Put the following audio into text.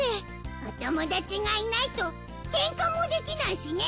お友達がいないとケンカもできないしね！